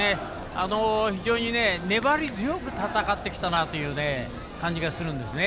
非常に粘り強く戦ってきたなという感じがするんですね。